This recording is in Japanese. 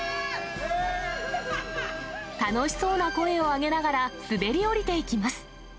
楽しそうな声を上げながら、滑り降りていきます。